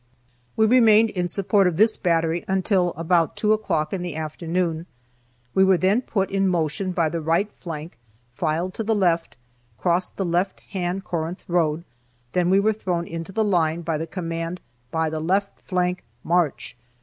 We remained in support of this battery until about 2 o'clock in the afternoon. We were then put in motion by the right flank, filed to the left, crossed the left hand Corinth road; then we were thrown into the line by the command: "By the left flank, march."